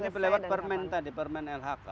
ya ini lewat permen tadi permen lhk